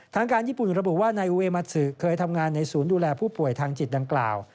ทางการญี่ปุ่นระบุว่านายอูเวมัสซึเคยทำงานในศูนย์ดูแลผู้ป่วยทางจิตดังกล่าว